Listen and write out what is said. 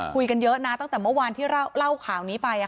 คุยกันเยอะนะตั้งแต่เมื่อวานที่เล่าข่าวนี้ไป